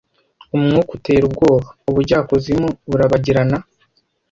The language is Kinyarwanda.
Umwuka utera ubwoba; ubujyakuzimu burabagirana,